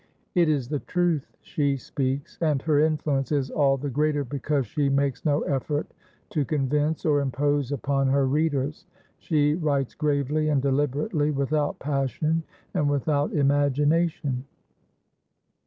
It is the truth she speaks; and her influence is all the greater because she makes no effort to convince or impose upon her readers; she writes gravely and deliberately, without passion and without imagination.